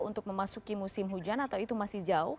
untuk memasuki musim hujan atau itu masih jauh